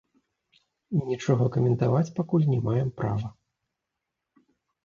Нічога каментаваць пакуль не маем права.